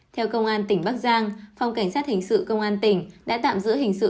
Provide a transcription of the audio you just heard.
theo công an tỉnh bắc giang phòng cảnh sát hình sự công an tỉnh đã tạm giữ hình sự